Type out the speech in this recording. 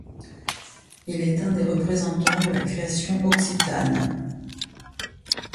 Il est un des représentants de la création occitane.